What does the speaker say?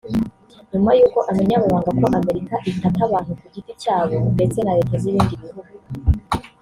nyuma y’uko amennye amabanga ko Amerika itata abantu ku giti cyabo ndetse na Leta z’ibindi bihugu